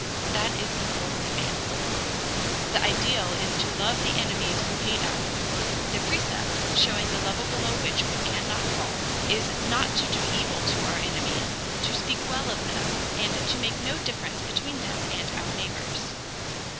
That is the fourth command. The ideal is to love the enemies who hate us. The precept, showing the level below which we cannot fall, is not to do evil to our enemies, to speak well of them, and to make no difference between them and our neighbors.